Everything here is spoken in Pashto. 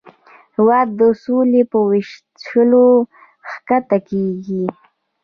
هېواد د سولې په ویشلو ښکته کېږي.